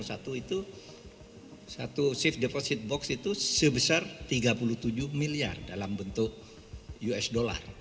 satu itu satu shift deposit box itu sebesar tiga puluh tujuh miliar dalam bentuk usd